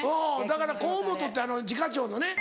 だから河本って次課長のね。